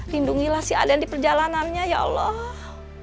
lindungilah si aden di perjalanannya ya allah